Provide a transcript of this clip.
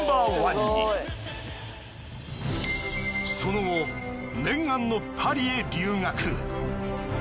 その後念願のパリへ留学。